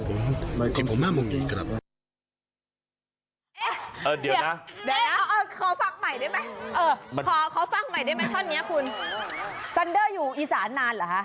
ซันเดอร์พูดเลยขอซันเดอร์อีกรอบหนึ่งนะขอซันเดอร์สักครั้ง